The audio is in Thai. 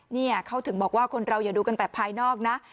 เนี่ยเขาถึงบอกว่าคนเราอย่าดูกันแต่ภายนอกนะ